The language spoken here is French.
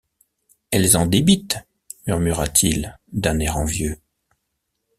Elles en débitent! murmura-t-il, d’un air envieux.